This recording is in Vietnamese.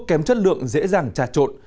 mận trung quốc kém chất lượng dễ dàng trà trộn